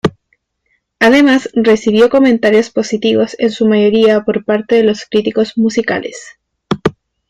Además recibió comentarios positivos en su mayoría por parte de los críticos musicales.